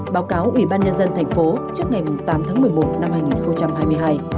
báo cáo ủy ban nhân dân thành phố trước ngày tám tháng một mươi một năm hai nghìn hai mươi hai